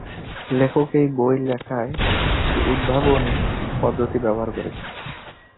লেখক এই বই লেখায় একটি উদ্ভাবনী পদ্ধতি ব্যবহার করেছেন।